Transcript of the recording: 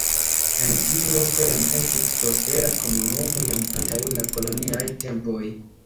En tiu loko jam estis prospera komunumo jam antaŭ la koloniaj tempoj.